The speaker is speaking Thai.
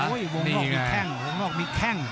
โอ้ยวงรอบมีแข้งวงรอบมีแข้ง